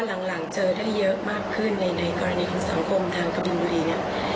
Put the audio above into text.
หลังเจอได้เยอะมากขึ้นในกรณีของสังคมทางกบินบุรีเนี่ย